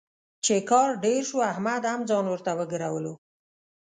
چې کار ډېر شو، احمد هم ځان ورته وګرولو.